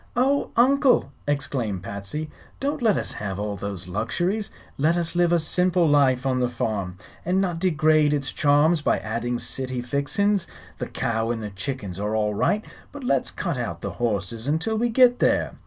"Oh, Uncle!" exclaimed Patsy; "don't let us have all those luxuries. Let us live a simple life on the farm, and not degrade its charms by adding city fixin's. The cow and the chickens are all right, but let's cut out the horses until we get there.